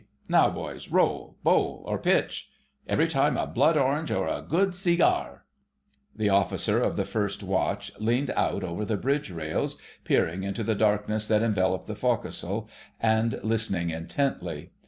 Now, boys, roll, bowl, or pitch ... 'Every time a blood orange or a good see gar'...!" The Officer of the First Watch leaned out over the bridge rails, peering into the darkness that enveloped the forecastle, and listening intently.